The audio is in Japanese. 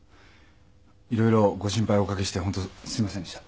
いろいろご心配をおかけしてホントすいませんでした。